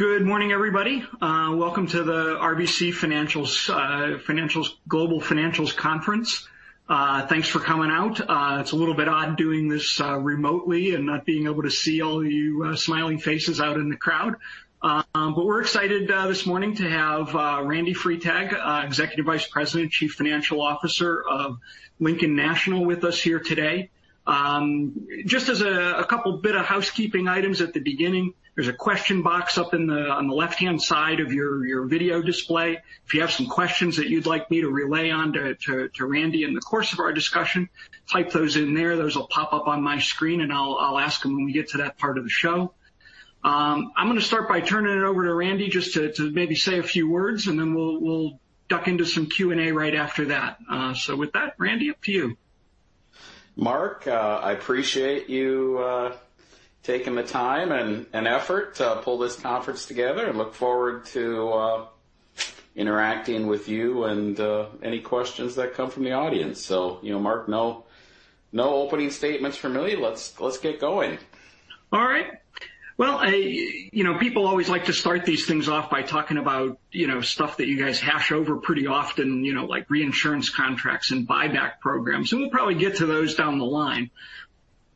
Good morning, everybody. Welcome to the RBC Global Financials Conference. Thanks for coming out. It's a little bit odd doing this remotely and not being able to see all of you smiling faces out in the crowd. We're excited this morning to have Randy Freitag, Executive Vice President, Chief Financial Officer of Lincoln National with us here today. Just as a couple bit of housekeeping items at the beginning, there's a question box up on the left-hand side of your video display. If you have some questions that you'd like me to relay on to Randy in the course of our discussion, type those in there. Those will pop up on my screen, and I'll ask them when we get to that part of the show. I'm going to start by turning it over to Randy just to maybe say a few words, we'll duck into some Q&A right after that. With that, Randy, up to you. Mark, I appreciate you taking the time and effort to pull this conference together, look forward to interacting with you and any questions that come from the audience. Mark, no opening statements from me. Let's get going. All right. Well, people always like to start these things off by talking about stuff that you guys hash over pretty often, like reinsurance contracts and buyback programs, we'll probably get to those down the line.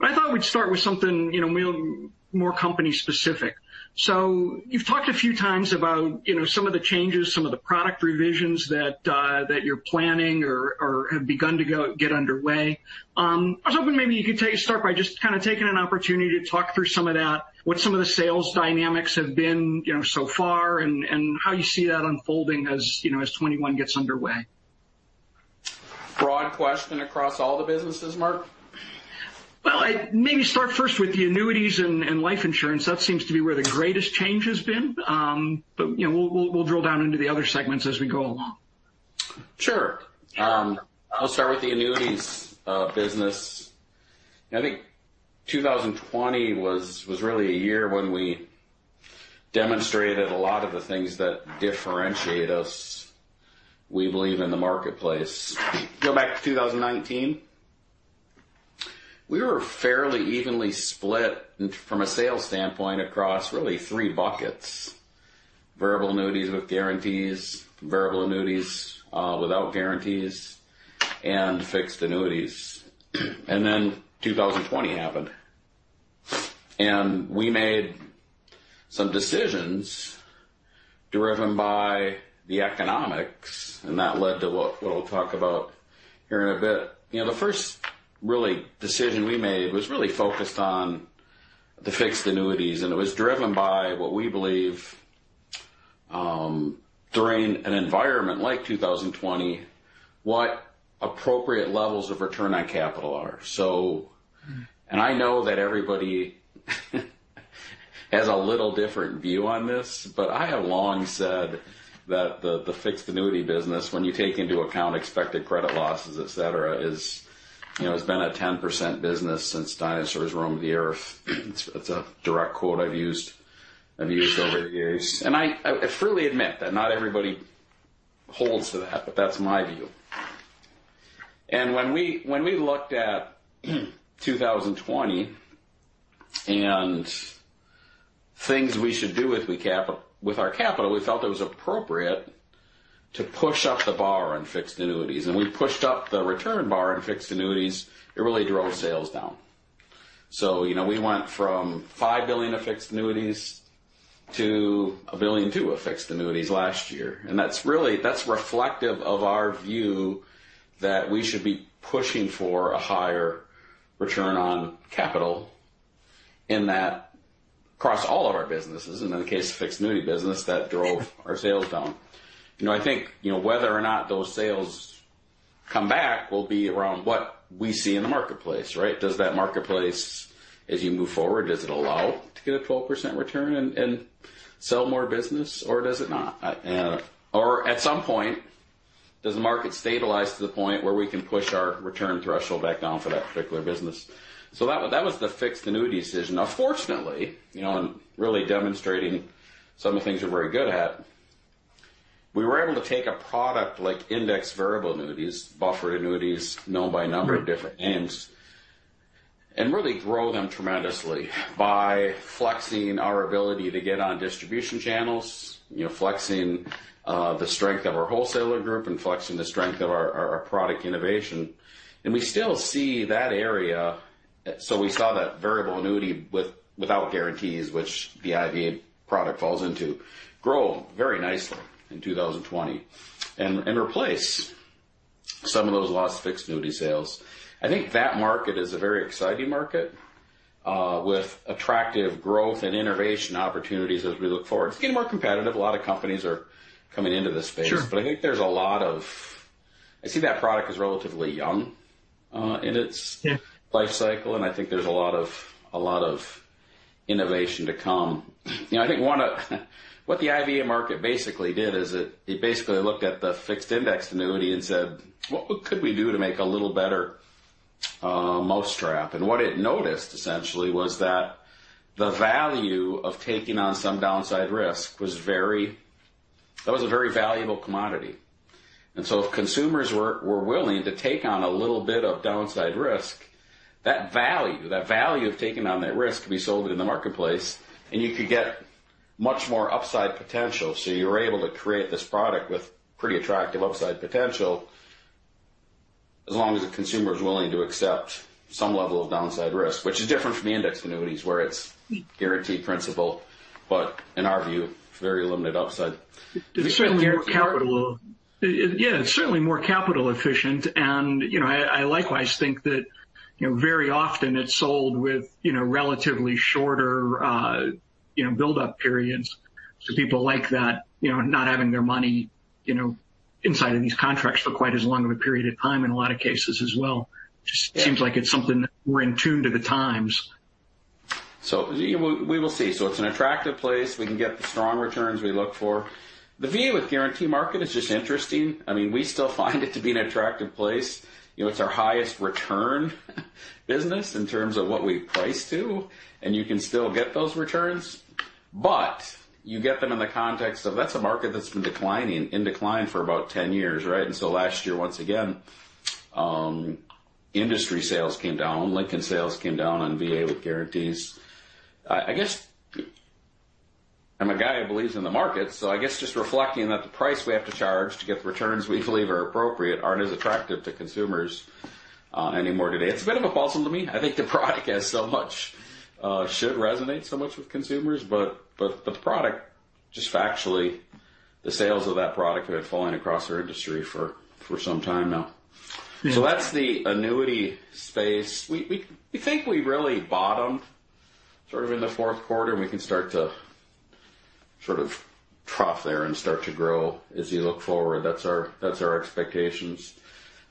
I thought we'd start with something more company specific. You've talked a few times about some of the changes, some of the product revisions that you're planning or have begun to get underway. I was hoping maybe you could start by just kind of taking an opportunity to talk through some of that, what some of the sales dynamics have been so far and how you see that unfolding as 2021 gets underway. Broad question across all the businesses, Mark? Well, maybe start first with the annuities and life insurance. That seems to be where the greatest change has been. We'll drill down into the other segments as we go along. Sure. I'll start with the annuities business. I think 2020 was really a year when we demonstrated a lot of the things that differentiate us, we believe, in the marketplace. Go back to 2019, we were fairly evenly split from a sales standpoint across really three buckets, variable annuities with guarantees, variable annuities without guarantees, and fixed annuities. 2020 happened, we made some decisions driven by the economics, that led to what we'll talk about here in a bit. The first really decision we made was really focused on the fixed annuities, it was driven by what we believe during an environment like 2020, what appropriate levels of return on capital are. I know that everybody has a little different view on this, I have long said that the fixed annuity business, when you take into account expected credit losses, et cetera, has been a 10% business since dinosaurs roamed the Earth. It's a direct quote I've used over the years. I freely admit that not everybody holds to that's my view. When we looked at 2020 and things we should do with our capital, we felt it was appropriate to push up the bar on fixed annuities. We pushed up the return bar on fixed annuities, it really drove sales down. We went from $5 billion of fixed annuities to $1.2 billion of fixed annuities last year. That's reflective of our view that we should be pushing for a higher return on capital in that across all of our businesses, and in the case of fixed annuity business, that drove our sales down. I think whether or not those sales come back will be around what we see in the marketplace, right? Does that marketplace, as you move forward, does it allow to get a 12% return and sell more business, or does it not? Or at some point, does the market stabilize to the point where we can push our return threshold back down for that particular business? That was the fixed annuity decision. Fortunately, really demonstrating some of the things we're very good at, we were able to take a product like indexed variable annuities, buffered annuities, known by a number of different names, and really grow them tremendously by flexing our ability to get on distribution channels, flexing the strength of our wholesaler group and flexing the strength of our product innovation. We still see that area. We saw that variable annuity without guarantees, which the IVA product falls into, grow very nicely in 2020 and replace some of those lost fixed annuity sales. I think that market is a very exciting market with attractive growth and innovation opportunities as we look forward. It's getting more competitive. A lot of companies are coming into this space. Sure. I think there's a lot of I see that product as relatively young in its life cycle, and I think there's a lot of innovation to come. I think what the IVA market basically did is it basically looked at the fixed indexed annuity and said, "What could we do to make a little better mousetrap?" What it noticed essentially was that the value of taking on some downside risk was a very valuable commodity. If consumers were willing to take on a little bit of downside risk, that value of taking on that risk could be sold in the marketplace, and you could get much more upside potential. You're able to create this product with pretty attractive upside potential, as long as the consumer is willing to accept some level of downside risk. Which is different from the index annuities, where it's guaranteed principal, but in our view, very limited upside. It's certainly more capital efficient. I likewise think that very often it's sold with relatively shorter buildup periods. People like that, not having their money inside of these contracts for quite as long of a period of time in a lot of cases as well. Just seems like it's something that we're in tune to the times. We will see. It's an attractive place. We can get the strong returns we look for. The VA with guarantee market is just interesting. We still find it to be an attractive place. It's our highest return business in terms of what we price to, and you can still get those returns. You get them in the context of that's a market that's been declining, in decline for about 10 years, right? Last year, once again, industry sales came down, Lincoln sales came down on VA with guarantees. I'm a guy who believes in the market, I guess just reflecting that the price we have to charge to get the returns we believe are appropriate aren't as attractive to consumers anymore today. It's a bit of a puzzle to me. I think the product should resonate so much with consumers, the product, just factually, the sales of that product have been falling across our industry for some time now. Yeah. That's the annuity space. We think we really bottomed sort of in the fourth quarter, we can start to sort of trough there and start to grow as you look forward. That's our expectations.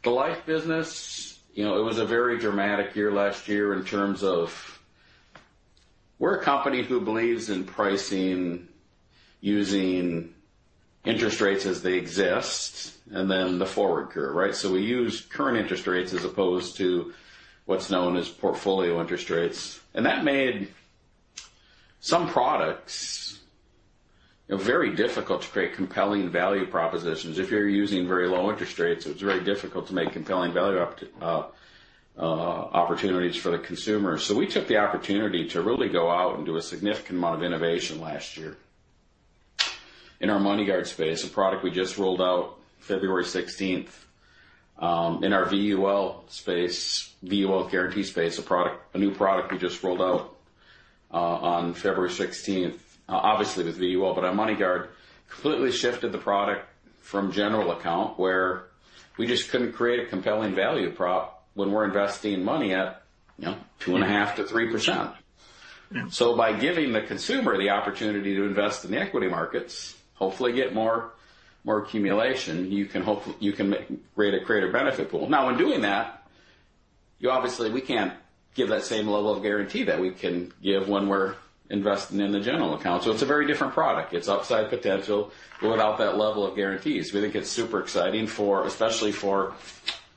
The life business, it was a very dramatic year last year in terms of we're a company who believes in pricing using interest rates as they exist, then the forward curve, right? We use current interest rates as opposed to what's known as portfolio interest rates. That made some products very difficult to create compelling value propositions. If you're using very low interest rates, it's very difficult to make compelling value opportunities for the consumer. We took the opportunity to really go out and do a significant amount of innovation last year in our MoneyGuard space, a product we just rolled out February 16th. In our VUL guarantee space, a new product we just rolled out on February 16th, obviously with VUL, but on MoneyGuard, completely shifted the product from general account, where we just couldn't create a compelling value prop when we're investing money at 2.5% to 3%. Yeah. By giving the consumer the opportunity to invest in the equity markets, hopefully get more accumulation, you can create a greater benefit pool. Now, in doing that, obviously we can't give that same level of guarantee that we can give when we're investing in the general account. It's a very different product. It's upside potential without that level of guarantees. We think it's super exciting, especially for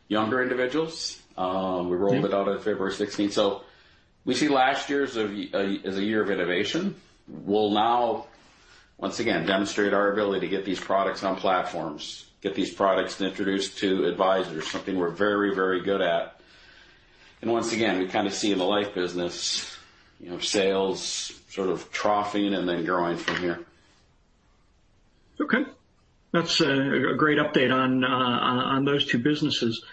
younger individuals. We rolled it out on February 16th. We see last year as a year of innovation. We'll now, once again, demonstrate our ability to get these products on platforms, get these products introduced to advisors, something we're very good at. Once again, we kind of see in the life business, sales sort of troughing and then growing from here. Okay. That's a great update on those two businesses.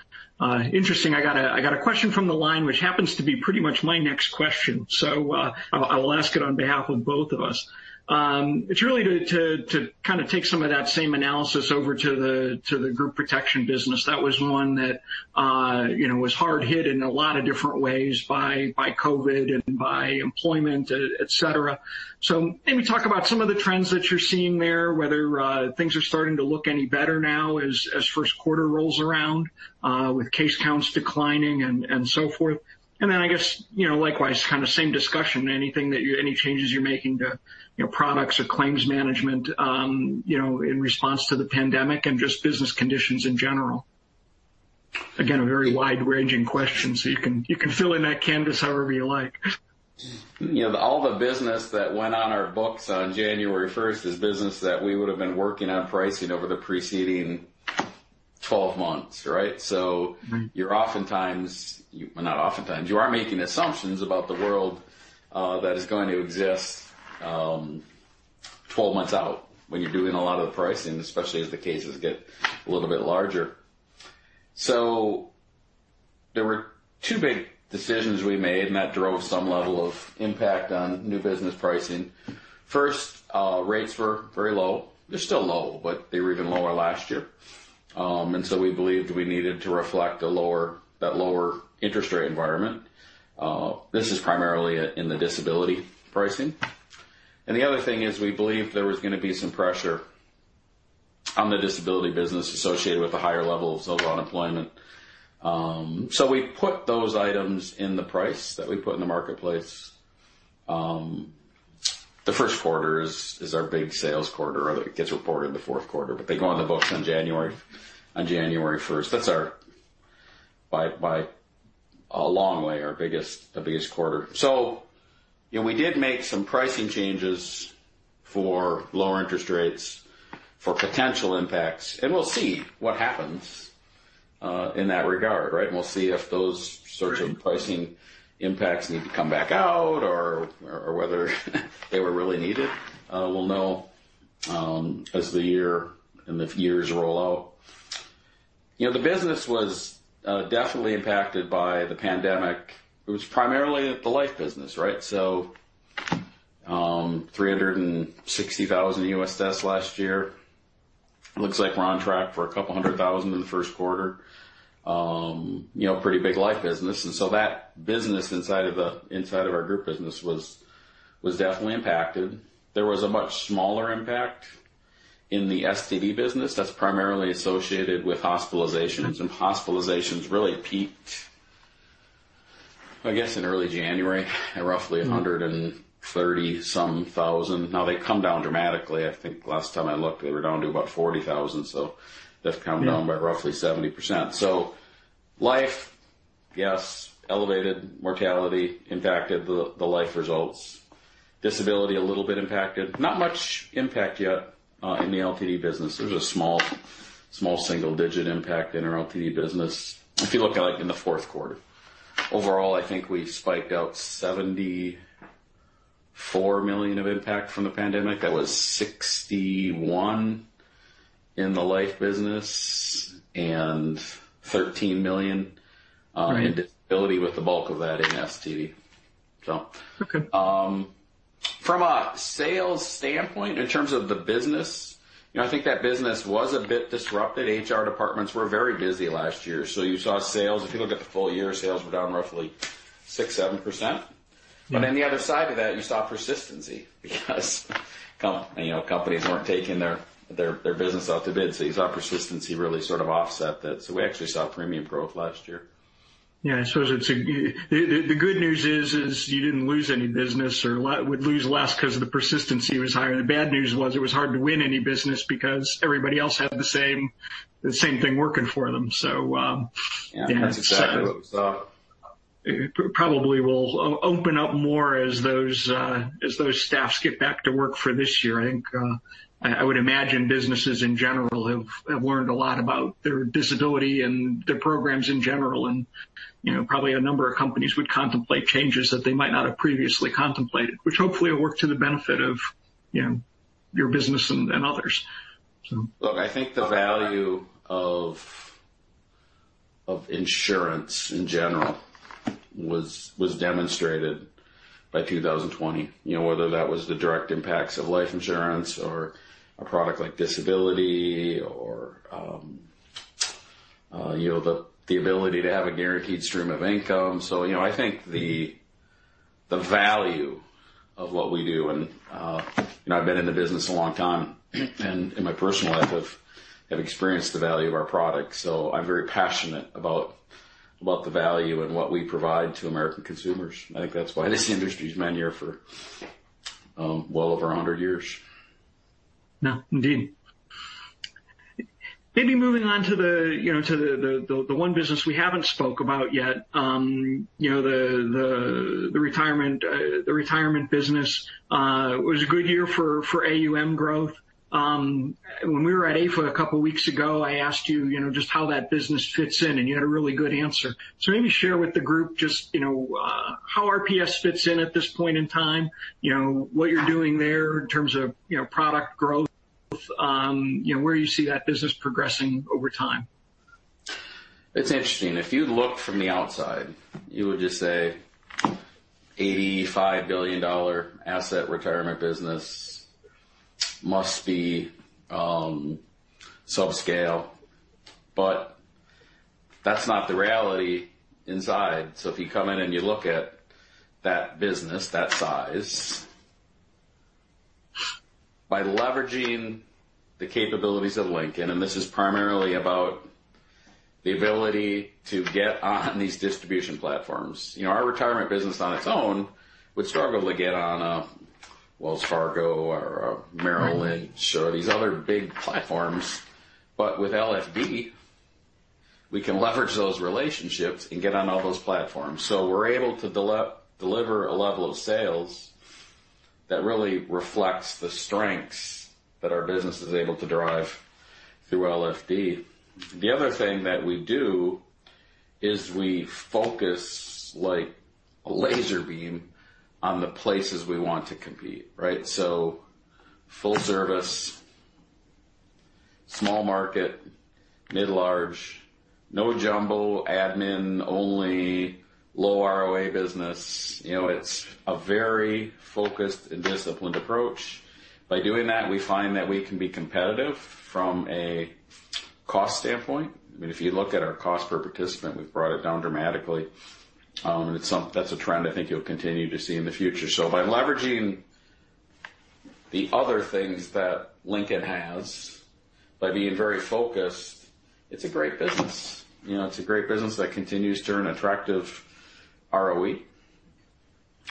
Interesting. I got a question from the line, which happens to be pretty much my next question, so I will ask it on behalf of both of us. It's really to kind of take some of that same analysis over to the group protection business. That was one that was hard hit in a lot of different ways by COVID and by employment, et cetera. Maybe talk about some of the trends that you're seeing there, whether things are starting to look any better now as first quarter rolls around with case counts declining and so forth. Then, I guess, likewise, kind of same discussion, any changes you're making to products or claims management in response to the pandemic and just business conditions in general? Again, a very wide-ranging question, you can fill in that canvas however you like. All the business that went on our books on January 1st is business that we would have been working on pricing over the preceding 12 months, right? You are making assumptions about the world that is going to exist 12 months out when you're doing a lot of the pricing, especially as the cases get a little bit larger. There were two big decisions we made, and that drove some level of impact on new business pricing. First, rates were very low. They're still low, but they were even lower last year. We believed we needed to reflect that lower interest rate environment. This is primarily in the disability pricing. The other thing is we believed there was going to be some pressure on the disability business associated with the higher levels of unemployment. We put those items in the price that we put in the marketplace. The first quarter is our big sales quarter, or it gets reported in the fourth quarter, but they go on the books on January 1st. That's our By a long way, our biggest quarter. We did make some pricing changes for lower interest rates for potential impacts, and we'll see what happens in that regard. Right? We'll see if those sorts of pricing impacts need to come back out or whether they were really needed. We'll know as the year and the years roll out. The business was definitely impacted by the pandemic. It was primarily at the life business, right? 360,000 U.S. deaths last year. Looks like we're on track for a couple hundred thousand in the first quarter. Pretty big life business. That business inside of our group business was definitely impacted. There was a much smaller impact in the STD business that's primarily associated with hospitalizations, and hospitalizations really peaked, I guess, in early January at roughly 130,000 some. Now they've come down dramatically. I think last time I looked, they were down to about 40,000, so they've come down by roughly 70%. Life, yes, elevated mortality impacted the life results. Disability, a little bit impacted. Not much impact yet in the LTD business. There's a small single-digit impact in our LTD business if you look in the fourth quarter. Overall, I think we spiked out $74 million of impact from the pandemic. That was $61 million in the life business and $13 million in disability with the bulk of that in STD. Okay. From a sales standpoint, in terms of the business, I think that business was a bit disrupted. HR departments were very busy last year, you saw sales, if you look at the full year, sales were down roughly 6%, 7%. On the other side of that, you saw persistency because companies weren't taking their business out to bid. You saw persistency really sort of offset that. We actually saw premium growth last year. I suppose the good news is you didn't lose any business or would lose less because the persistency was higher. The bad news was it was hard to win any business because everybody else had the same thing working for them. That's exactly what we saw. It probably will open up more as those staffs get back to work for this year. I think, I would imagine businesses in general have learned a lot about their disability and their programs in general, and probably a number of companies would contemplate changes that they might not have previously contemplated, which hopefully will work to the benefit of your business and others. I think the value of insurance in general was demonstrated by 2020, whether that was the direct impacts of life insurance or a product like disability or the ability to have a guaranteed stream of income. I think the value of what we do, and I've been in the business a long time, and in my personal life, I've experienced the value of our product. I'm very passionate about the value and what we provide to American consumers. That's why this industry's been here for well over 100 years. No, indeed. Moving on to the one business we haven't spoken about yet. The retirement business. It was a good year for AUM growth. When we were at AFA a couple of weeks ago, I asked you just how that business fits in, and you had a really good answer. Maybe share with the group just how RPS fits in at this point in time, what you're doing there in terms of product growth, where you see that business progressing over time. It's interesting. If you look from the outside, you would just say $85 billion asset retirement business must be subscale, but that's not the reality inside. If you come in and you look at that business that size, by leveraging the capabilities of Lincoln, and this is primarily about the ability to get on these distribution platforms. Our retirement business on its own would struggle to get on a Wells Fargo or a Merrill Lynch or these other big platforms. With LFD, we can leverage those relationships and get on all those platforms. We're able to deliver a level of sales that really reflects the strengths that our business is able to derive through LFD. The other thing that we do is we focus like a laser beam on the places we want to compete. Right? Full service, small market, mid large, no jumbo, admin only, low ROA business. It's a very focused and disciplined approach. By doing that, we find that we can be competitive from a cost standpoint. If you look at our cost per participant, we've brought it down dramatically. That's a trend I think you'll continue to see in the future. By leveraging the other things that Lincoln has, by being very focused, it's a great business. It's a great business that continues to earn attractive ROE.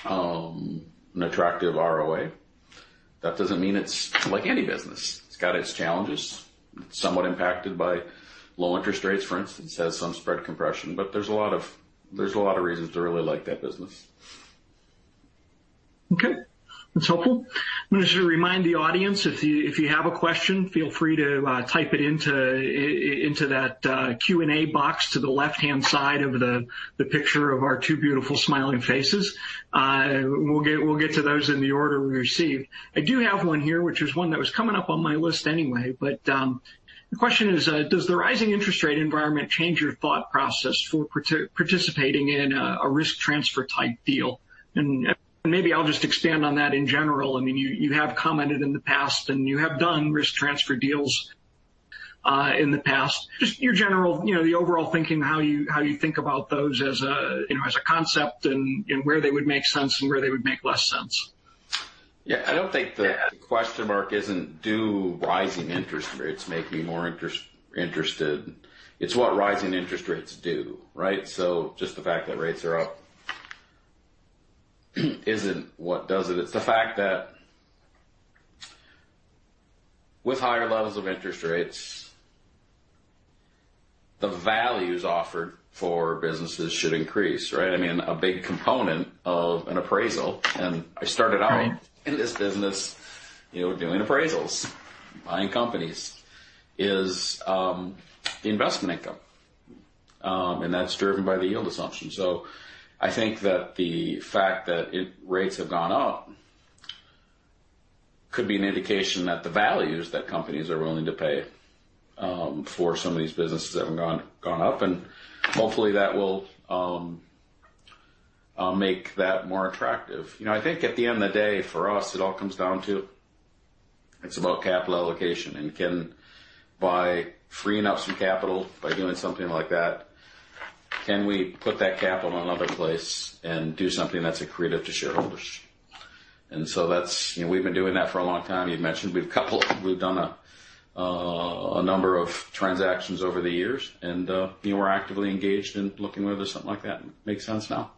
An attractive ROA. That doesn't mean it's like any business. It's got its challenges. It's somewhat impacted by low interest rates, for instance. There's some spread compression, but there's a lot of reasons to really like that business. Okay. That's helpful. I'm going to remind the audience if you have a question, feel free to type it into that Q&A box to the left-hand side of the picture of our two beautiful smiling faces. We'll get to those in the order we receive. I do have one here, which was one that was coming up on my list anyway, but the question is: does the rising interest rate environment change your thought process for participating in a risk transfer type deal? Maybe I'll just expand on that in general. You have commented in the past, and you have done risk transfer deals in the past. Just your general, the overall thinking, how you think about those as a concept and where they would make sense and where they would make less sense. Yeah. I don't think the question mark isn't do rising interest rates make me more interested. It's what rising interest rates do. Right? Just the fact that rates are up isn't what does it. It's the fact that with higher levels of interest rates, the values offered for businesses should increase, right? A big component of an appraisal, and I started out in this business doing appraisals, buying companies, is the investment income, and that's driven by the yield assumption. I think that the fact that rates have gone up could be an indication that the values that companies are willing to pay for some of these businesses have gone up, and hopefully that will make that more attractive. I think at the end of the day, for us, it all comes down to, it's about capital allocation and can, by freeing up some capital by doing something like that, can we put that capital in another place and do something that's accretive to shareholders. We've been doing that for a long time. You'd mentioned we've done a number of transactions over the years, and we're actively engaged in looking whether something like that makes sense now.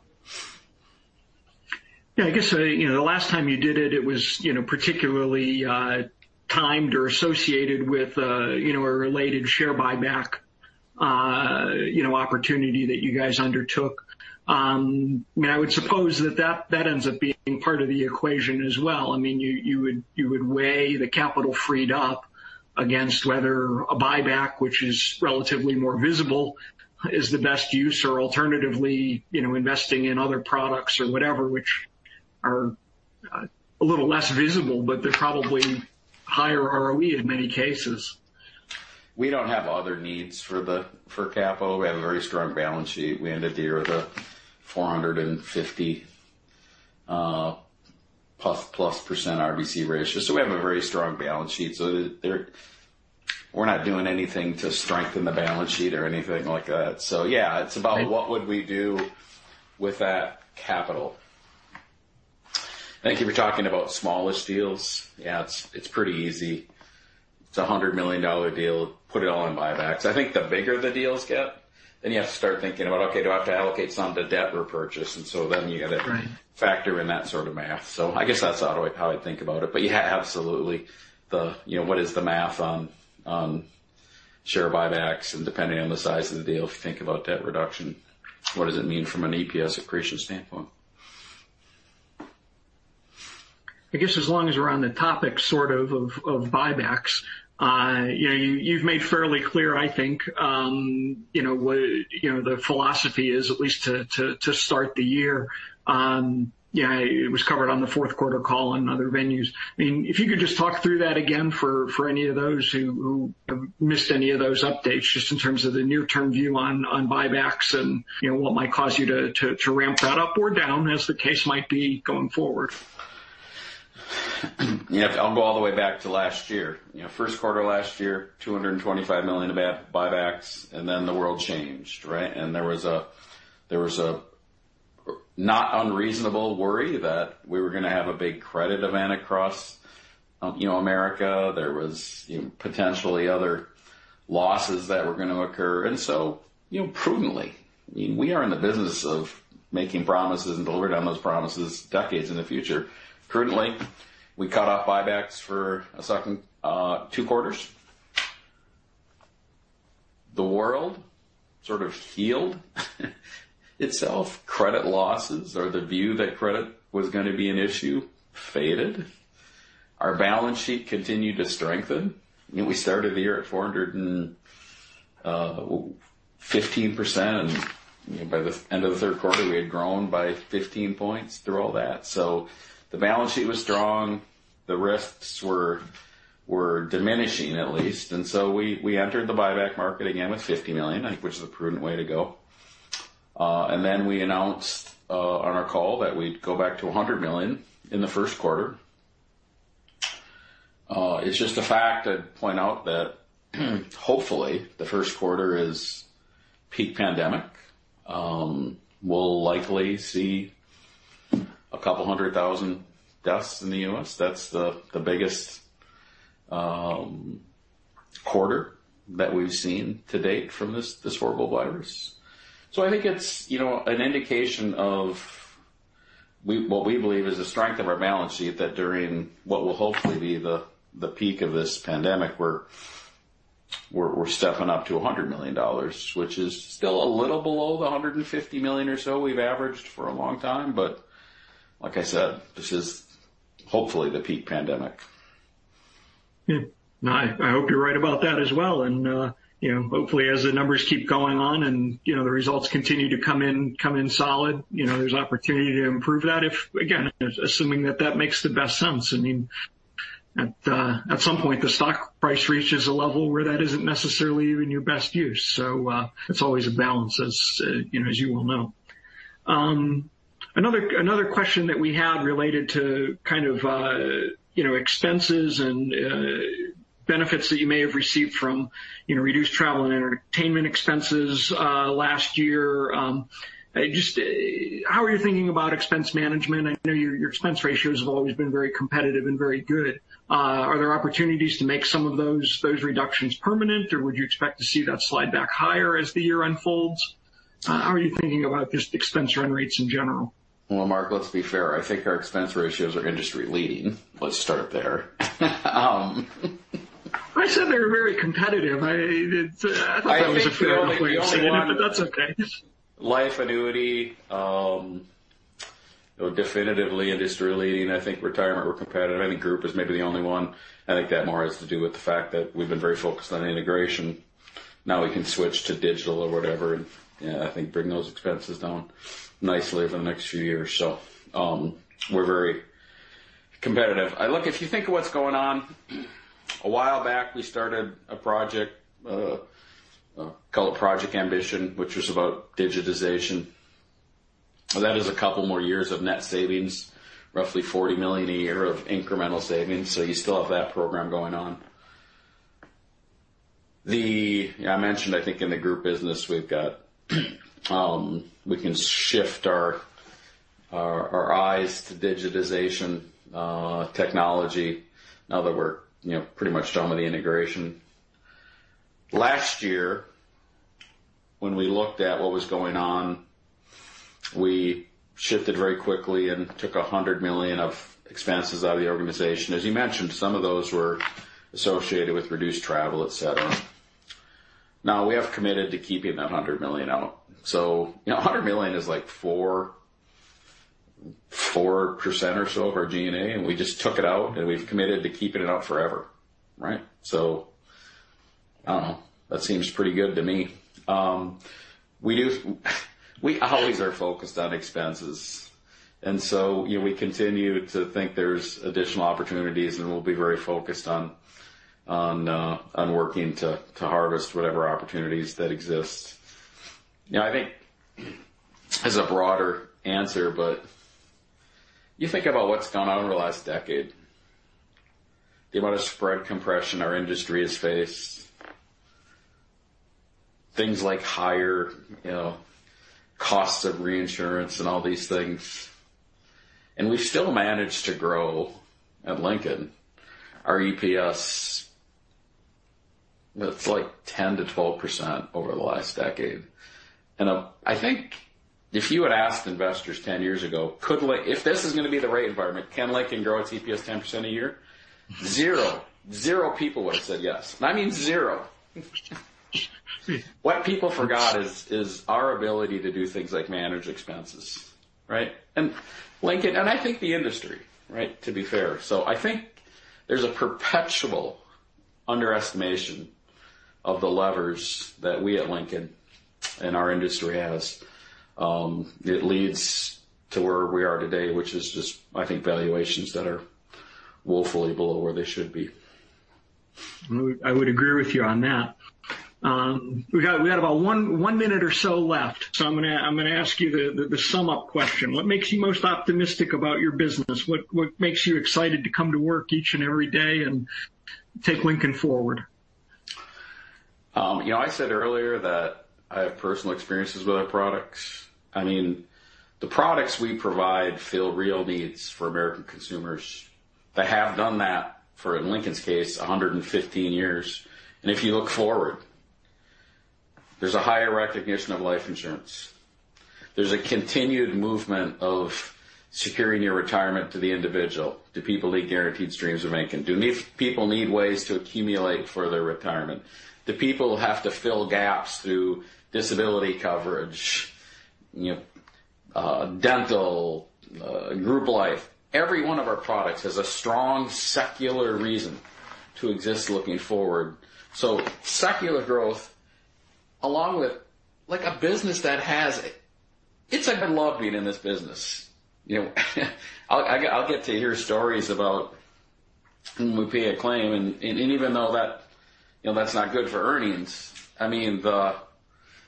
Yeah, I guess, the last time you did it was particularly timed or associated with a related share buyback opportunity that you guys undertook. I would suppose that ends up being part of the equation as well. You would weigh the capital freed up against whether a buyback, which is relatively more visible, is the best use or alternatively, investing in other products or whatever, which are a little less visible, but they're probably higher ROE in many cases. We don't have other needs for capital. We have a very strong balance sheet. We ended the year with a 450 plus % RBC ratio. We have a very strong balance sheet. We're not doing anything to strengthen the balance sheet or anything like that. Yeah, it's about what would we do with that capital. I think if you're talking about smallish deals, yeah, it's pretty easy. It's a $100 million deal. Put it all in buybacks. I think the bigger the deals get, then you have to start thinking about, okay, do I have to allocate some to debt repurchase? You got to- Right factor in that sort of math. I guess that's how I'd think about it. Yeah, absolutely. What is the math on share buybacks? Depending on the size of the deal, if you think about debt reduction, what does it mean from an EPS accretion standpoint? I guess as long as we're on the topic sort of buybacks. You've made fairly clear, I think, the philosophy is at least to start the year. It was covered on the fourth quarter call and other venues. If you could just talk through that again for any of those who have missed any of those updates, just in terms of the near-term view on buybacks and what might cause you to ramp that up or down as the case might be going forward. Yeah. I'll go all the way back to last year. First quarter last year, $225 million of buybacks, then the world changed, right? There was a not unreasonable worry that we were going to have a big credit event across America. There was potentially other losses that were going to occur. Prudently, we are in the business of making promises and deliver on those promises decades in the future. Prudently, we cut off buybacks for two quarters. The world sort of healed itself. Credit losses or the view that credit was going to be an issue faded. Our balance sheet continued to strengthen. We started the year at 415%, and by the end of the third quarter, we had grown by 15 points through all that. The balance sheet was strong. The risks were diminishing at least. We entered the buyback market again with $50 million, I think, which is a prudent way to go. We announced on our call that we'd go back to $100 million in the first quarter. It's just a fact I'd point out that hopefully the first quarter is peak pandemic. We'll likely see a couple hundred thousand deaths in the U.S. That's the biggest quarter that we've seen to date from this horrible virus. I think it's an indication of what we believe is the strength of our balance sheet, that during what will hopefully be the peak of this pandemic, we're stepping up to $100 million, which is still a little below the $150 million or so we've averaged for a long time. Like I said, this is hopefully the peak pandemic. Yeah. No, I hope you're right about that as well. Hopefully as the numbers keep going on and the results continue to come in solid, there's opportunity to improve that if, again, assuming that that makes the best sense. At some point, the stock price reaches a level where that isn't necessarily even your best use. It's always a balance, as you well know. Another question that we had related to kind of expenses and benefits that you may have received from reduced travel and entertainment expenses last year. Just how are you thinking about expense management? I know your expense ratios have always been very competitive and very good. Are there opportunities to make some of those reductions permanent, or would you expect to see that slide back higher as the year unfolds? How are you thinking about just expense run rates in general? Well, Mark, let's be fair. I think our expense ratios are industry-leading. Let's start there. I said they were very competitive. I thought that was a fair way of saying it. I only want- That's okay. Life annuity definitively industry-leading. I think retirement we're competitive. I think Group is maybe the only one. I think that more has to do with the fact that we've been very focused on integration. We can switch to digital or whatever, and I think bring those expenses down nicely over the next few years. We're very competitive. Look, if you think of what's going on, a while back, we started a project called Project Ambition, which was about digitization. That is a couple more years of net savings, roughly $40 million a year of incremental savings. You still have that program going on. I mentioned, I think, in the Group business, we can shift our eyes to digitization technology now that we're pretty much done with the integration. Last year, when we looked at what was going on, we shifted very quickly and took $100 million of expenses out of the organization. As you mentioned, some of those were associated with reduced travel, et cetera. Now we have committed to keeping that $100 million out. $100 million is like 4% or so of our G&A, and we just took it out, and we've committed to keeping it out forever, right? I don't know. That seems pretty good to me. We always are focused on expenses, we continue to think there's additional opportunities, and we'll be very focused on working to harvest whatever opportunities that exist. I think as a broader answer, you think about what's gone on over the last decade, the amount of spread compression our industry has faced. Things like higher costs of reinsurance and all these things. We've still managed to grow at Lincoln our EPS, it's like 10%-12% over the last decade. I think if you had asked investors 10 years ago, "If this is going to be the rate environment, can Lincoln grow its EPS 10% a year?" Zero people would've said yes. I mean zero. What people forgot is our ability to do things like manage expenses, right? Lincoln, and I think the industry, right, to be fair. I think there's a perpetual underestimation of the levers that we at Lincoln and our industry has. It leads to where we are today, which is just, I think, valuations that are woefully below where they should be. I would agree with you on that. We got about one minute or so left. I'm going to ask you the sum up question. What makes you most optimistic about your business? What makes you excited to come to work each and every day and take Lincoln forward? I said earlier that I have personal experiences with our products. The products we provide fill real needs for American consumers. They have done that for, in Lincoln's case, 115 years. If you look forward, there's a higher recognition of life insurance. There's a continued movement of securing your retirement to the individual. Do people need guaranteed streams of income? Do people need ways to accumulate for their retirement? Do people have to fill gaps through disability coverage, dental, Group Life? Every one of our products has a strong secular reason to exist looking forward. Secular growth along with a business that has, it's a good lobbying in this business. I'll get to hear stories about when we pay a claim, and even though that's not good for earnings,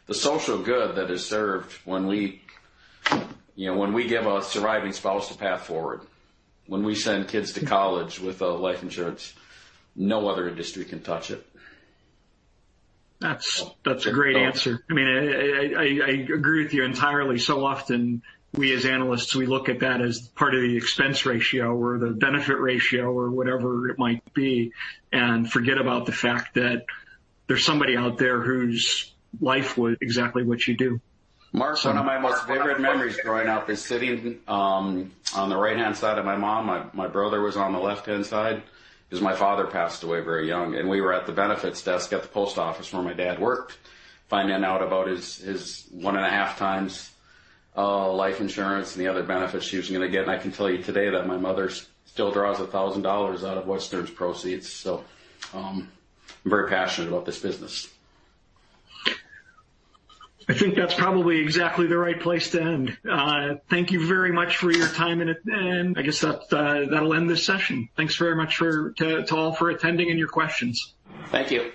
the social good that is served when we give a surviving spouse a path forward. When we send kids to college with life insurance, no other industry can touch it. That's a great answer. I agree with you entirely. Often, we as analysts, we look at that as part of the expense ratio or the benefit ratio or whatever it might be, and forget about the fact that there's somebody out there whose life was exactly what you do. Mark, one of my most favorite memories growing up is sitting on the right-hand side of my mom. My brother was on the left-hand side, because my father passed away very young, and we were at the benefits desk at the post office where my dad worked, finding out about his one and a half times life insurance and the other benefits he was going to get. I can tell you today that my mother still draws $1,000 out of Western's proceeds. I'm very passionate about this business. I think that's probably exactly the right place to end. Thank you very much for your time. I guess that'll end this session. Thanks very much to all for attending and your questions. Thank you.